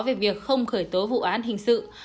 về việc không khởi tố vụ án hình sự